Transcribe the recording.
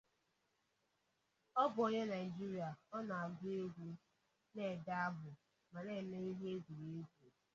Ọ bụ onye Naijiria, Ọ na-agu egwu, na-ede abụ ma na-eme ihe egwuruegwu.